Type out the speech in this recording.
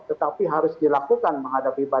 tetapi harus dilakukan menghadapkan penyelidikan